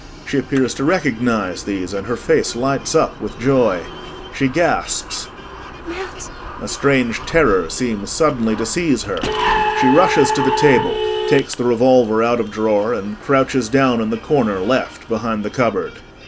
She appears to recognize these and her face lights up with joy. She gasps:] Mat! [A strange terror seems suddenly to seize her. She rushes to the table, takes the revolver out of drawer and crouches down in the corner, left, behind the cupboard.